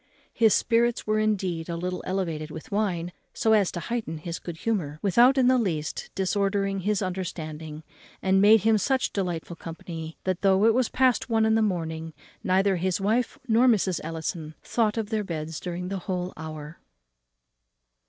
His spirits were indeed a little elevated with wine, so as to heighten his good humour, without in the least disordering his understanding, and made him such delightful company, that, though it was past one in the morning, neither his wife nor Mrs. Ellison thought of their beds during a whole hour.